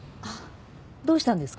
どうしたんですか？